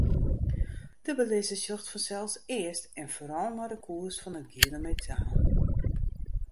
De belizzer sjocht fansels earst en foaral nei de koers fan it giele metaal.